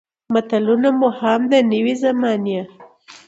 متلونه مو هم د نوې زمانې